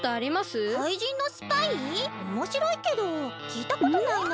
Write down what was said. おもしろいけどきいたことないなあ。